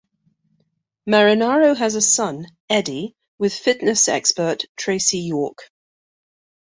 Marinaro has a son, Eddie, with fitness expert Tracy York.